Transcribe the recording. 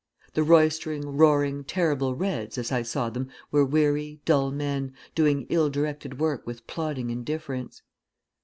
The roistering, roaring, terrible 'Reds,' as I saw them, were weary, dull men, doing ill directed work with plodding indifference.